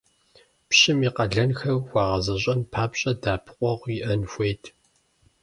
Пщым и къалэнхэр хуэгъэзэщӀэн папщӀэ дэӀэпыкъуэгъу иӀэн хуейт.